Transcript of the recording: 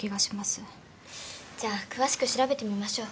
じゃあ詳しく調べてみましょう。